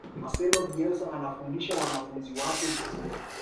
marcelo bielsa anafundisha wanafunzi wake vizuri